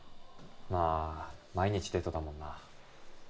まあ毎日デートだもんな